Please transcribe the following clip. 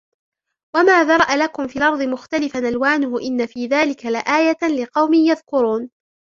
وما ذرأ لكم في الأرض مختلفا ألوانه إن في ذلك لآية لقوم يذكرون